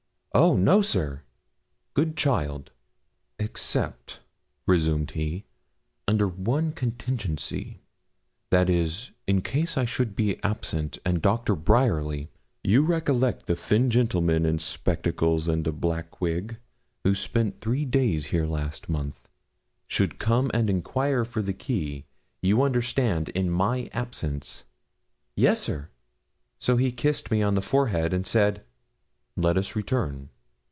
'Oh! no, sir!' 'Good child!' 'Except,' he resumed, 'under one contingency; that is, in case I should be absent, and Dr. Bryerly you recollect the thin gentleman, in spectacles and a black wig, who spent three days here last month should come and enquire for the key, you understand, in my absence.' 'Yes, sir.' So he kissed me on the forehead, and said 'Let us return.'